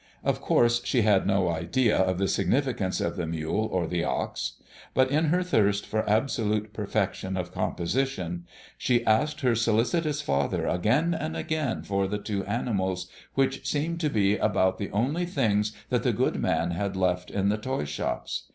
Of course she had no idea of the significance of the Mule or the Ox; but in her thirst for absolute perfection of composition, she asked her solicitous father again and again for the two animals, which seemed to be about the only things that the good man had left in the toy shops.